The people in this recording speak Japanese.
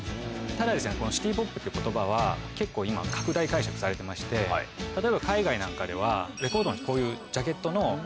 ただシティポップっていう言葉は結構今拡大解釈されまして例えば海外なんかではレコードにこういう。